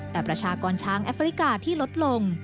แต่ประชากรช้างแอฟริกาที่ลดลง